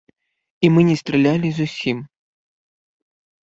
І мы не стралялі зусім.